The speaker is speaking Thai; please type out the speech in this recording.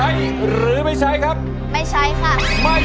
ใบเตยเลือกใช้ได้๓แผ่นป้ายตลอดทั้งการแข่งขัน